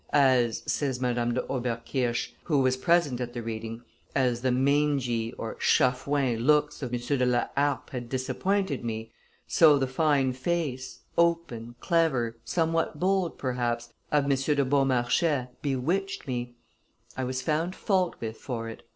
"As," says Madame de Oberkirsch, who was present at the reading, as the mangy (chafouin) looks of M. de la Harpe had disappointed me, so the fine face, open, clever, somewhat bold, perhaps, of M. de Beaumarchais bewitched me. I was found fault with for it.